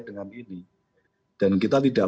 dengan ini dan kita tidak